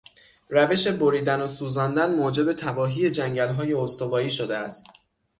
روش بریدن وسوزاندن موجب تباهی جنگلهای استوایی شده است.